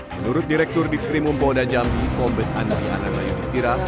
menurut direktur trimumpoda jambi kombes andri anandayudistira